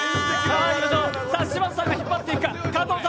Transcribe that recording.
嶋佐さんが引っ張っていくか。